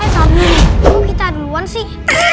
eh kamu mau kita duluan sih